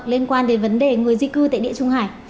liên quan đến vấn đề người di cư tại địa trung hải